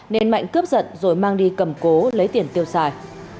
nên mạnh cướp giật rồi mang đi cầm cố lấy tiền tiêu xài